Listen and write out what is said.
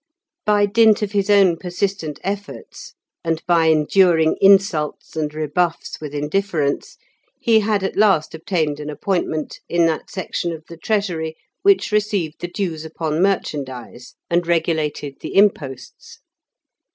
By dint of his own persistent efforts, and by enduring insults and rebuffs with indifference, he had at last obtained an appointment in that section of the Treasury which received the dues upon merchandise, and regulated the imposts.